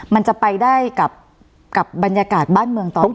มันจะไปได้กับบรรยากาศบ้านเมืองตอนนี้